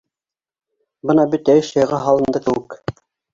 Бына бөтә эш яйға һалынды кеүек.